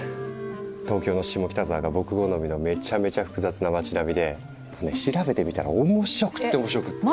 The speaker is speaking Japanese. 東京の下北沢が僕好みのめちゃめちゃ複雑な町並みで調べてみたら面白くって面白くって。